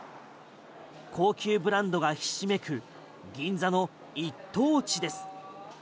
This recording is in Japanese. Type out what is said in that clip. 高級ブランドがひしめく銀座の一等地です。